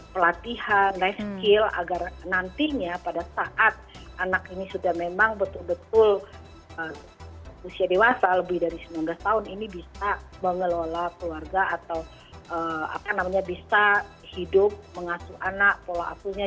pelatihan life skill agar nantinya pada saat anak ini sudah memang betul betul usia dewasa lebih dari sembilan belas tahun ini bisa mengelola keluarga atau apa namanya bisa hidup mengasuh anak pola asuhnya